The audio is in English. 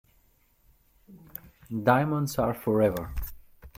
Diamonds are forever.